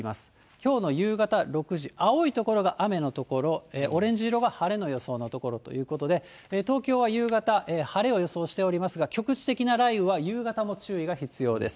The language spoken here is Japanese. きょうの夕方６時、青い所が雨の所、オレンジ色が晴れの予想の所ということで、東京は夕方、晴れを予想しておりますが、局地的な雷雨は夕方も注意が必要です。